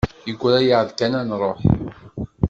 Yegra-yaɣ-d kan ad nruḥ.